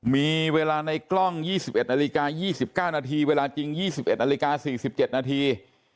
มีเวลาในกล้อง๒๑นาฬิกา๒๙นาทีเวลาจริง๒๑นาฬิกา๔๗นาที